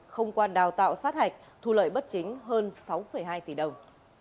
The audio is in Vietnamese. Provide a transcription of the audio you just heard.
không qua đào tạo sát hạch thu lợi bất chính hơn sáu hai tỷ đồng